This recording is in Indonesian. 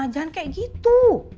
jangan kayak gitu